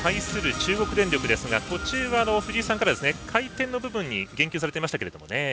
中国電力ですが途中は藤井さんから回転の部分に言及されていましたが。